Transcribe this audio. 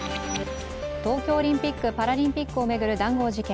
東京オリンピック・パラリンピックを巡る談合事件。